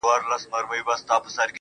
پر كومه تگ پيل كړم.